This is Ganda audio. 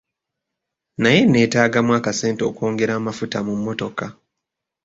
Naye neetagamu akassente okwongera amafuta mu mmotoka.